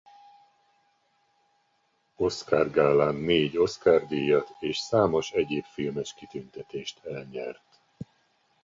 Oscar-gálán négy Oscar-díjat és számos egyéb filmes kitüntetést elnyert.